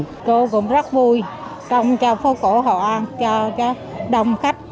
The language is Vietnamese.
tôi cũng rất vui trong phố cổ hội an cho đông khách